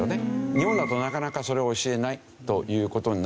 日本だとなかなかそれを教えないという事になる。